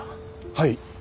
はい。